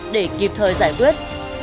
để kịp thời giải quyết